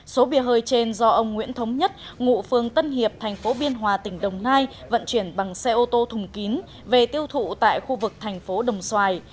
số bia hơi trên do ông nguyễn thống nhất ngụ phường tân hiệp thành phố biên hòa tỉnh đồng nai vận chuyển bằng xe ô tô thùng kín về tiêu thụ tại khu vực thành phố đồng xoài